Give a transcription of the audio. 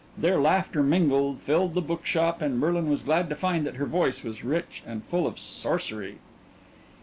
Their laughter mingled, filled the bookshop, and Merlin was glad to find that her voice was rich and full of sorcery.